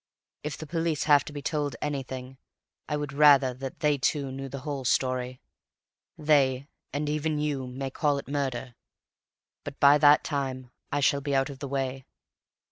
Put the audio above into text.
If the police have to be told anything, I would rather that they too knew the whole story. They, and even you, may call it murder, but by that time I shall be out of the way.